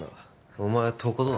お前とことん